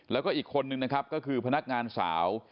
แล้วก็อีกคนนึงนะครับก็คือพนักงานสาว